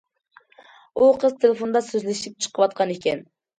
ئۇ قىز تېلېفوندا سۆزلىشىپ چىقىۋاتقان ئىكەن.